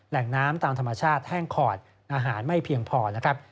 แหล่งน้ำตามธรรมชาติแห้งขอดอาหารไม่เพียงพอนะครับ